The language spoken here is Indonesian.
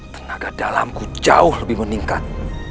tenaga dalamku jauh lebih meningkat